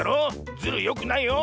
ズルよくないよ！